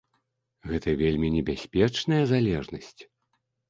Гэта вельмі небяспечная залежнасць.